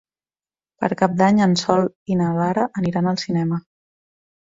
Per Cap d'Any en Sol i na Lara aniran al cinema.